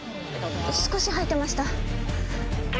少し吐いてました。